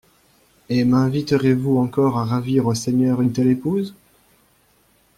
Et m'inviterez-vous encore à ravir au Seigneur une telle épouse?